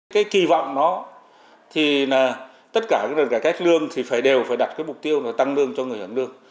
cái kỳ vọng đó thì là tất cả cái đợt cải cách lương thì phải đều phải đặt cái mục tiêu là tăng lương cho người hưởng lương